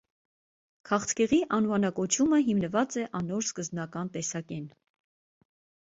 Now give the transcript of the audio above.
Քաղցկեղի անուանակոչումը հիմնուած է անոր սկզբնական տեսակէն։